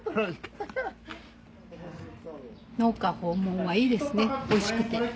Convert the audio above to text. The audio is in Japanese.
農家訪問はいいですねおいしくて。